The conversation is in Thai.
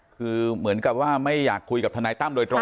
คือเหมือนกับว่าไม่อยากคุยกับทนายตั้มโดยตรง